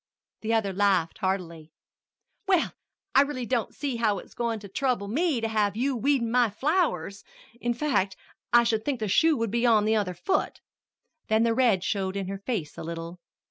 The other laughed heartily. "Well, I really don't see how it's goin' to trouble me to have you weedin' my flowers; in fact, I should think the shoe would be on the other foot." Then the red showed in her face a little.